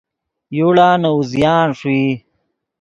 یوڑا نے اوزیان ݰوئی